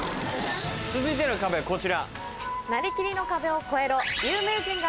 続いての壁はこちら。